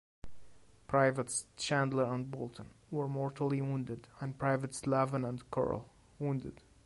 Privates Chandler and Bolton were mortally wounded and Privates Lavin and Currell wounded.